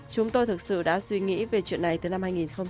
chúng tôi thực sự đã suy nghĩ về chuyện này từ năm hai nghìn một mươi